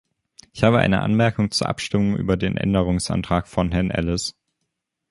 Ich habe eine Anmerkung zur Abstimmung über den Änderungsantrag von Herrn Elles.